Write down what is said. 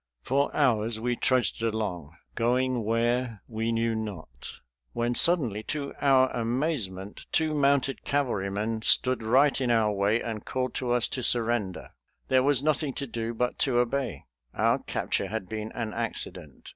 For hours we trudged along, going where we knew not, when suddenly to our amazement two mounted cavalrymen stood right in our way and called to us to surrender. There was nothing to do but to obey. Our capture had been an accident.